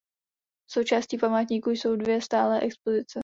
Součástí památníku jsou dvě stálé expozice.